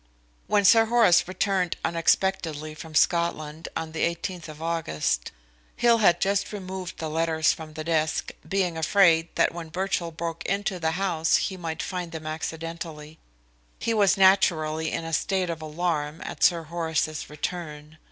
"When Sir Horace returned unexpectedly from Scotland on the 18th of August, Hill had just removed the letters from the desk, being afraid that when Birchill broke into the house he might find them accidentally. He was naturally in a state of alarm at Sir Horace's return.